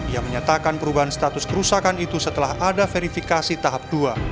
ia menyatakan perubahan status kerusakan itu setelah ada verifikasi tahap dua